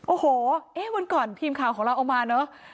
โอ้โหเอ๊ะวันก่อนทีมข่าวของเราเอามาเนอะ